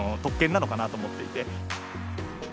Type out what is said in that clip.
なのかなと思っていて。